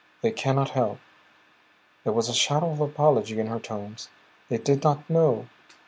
They can not help," there was a shadow of apology in her tones. "They did not know.